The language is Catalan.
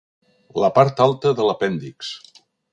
La part alta de l'apèndix.